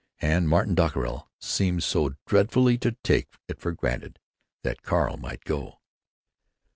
And Martin Dockerill seemed so dreadfully to take it for granted that Carl might go.